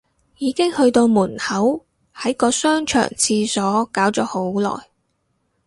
已經去到門口，喺個商場廁所搞咗好耐